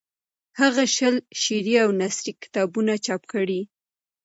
هغه شل شعري او نثري کتابونه چاپ کړي.